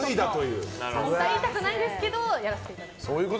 あんまり言いたくないんですけどやらせていただきます。